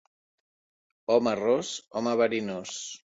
Home ros, home verinós.